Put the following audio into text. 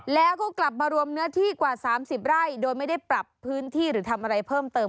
แล้วก็กลับมารวมเนื้อที่กว่า๓๐ไร่โดยไม่ได้ปรับพื้นที่หรือทำอะไรเพิ่มเติม